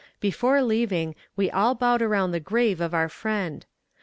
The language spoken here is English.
Before leaving, we all bowed around the grave of our friend.